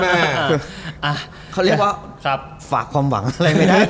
เขาเรียกว่าฝากความหวังอะไรไม่ได้